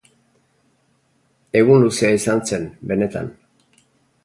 Egun luzea izan zen, benetan.